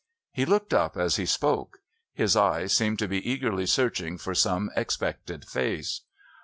He looked up as he spoke; his eyes seemed to be eagerly searching for some expected face.